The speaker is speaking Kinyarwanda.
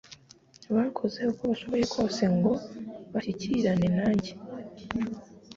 bakoze uko bashoboye kose ngo bashyikirane nanjye